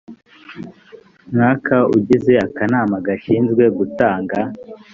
mwaka ugize akanama gashinzwe gutanga